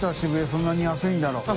そんなに安いんだろう？森）